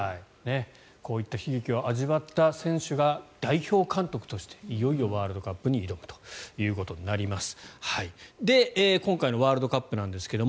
こういった悲劇を味わった選手が代表監督としていよいよワールドカップに挑むということになります。